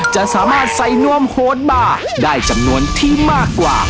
จะสามารถใส่นวมโหดบาร์ได้จำนวนที่มากกว่า